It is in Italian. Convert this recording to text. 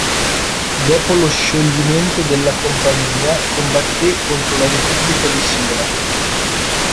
Dopo lo scioglimento della compagnia, combatté contro la Repubblica di Siena.